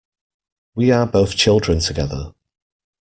We are both children together.